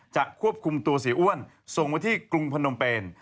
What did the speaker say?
ควบคุมตัวเสียอ้วนส่งมาที่กรุงพนมเป็น